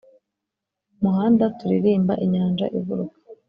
umuhanda turirimba inyanja iguruka